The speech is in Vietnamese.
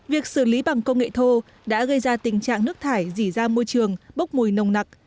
việc xử lý bằng công nghệ thô đã gây ra tình trạng nước thải dỉ ra môi trường bốc mùi nồng nặc